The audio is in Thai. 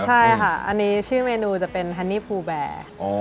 ใช่ค่ะอันนี้ชื่อเมนูจะเป็นฮันนี่ภูแบร์